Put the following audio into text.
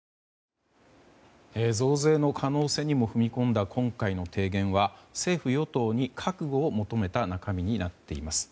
増税の可能性にも踏み込んだ今回の提言は、政府・与党に覚悟を求めた中身になっています。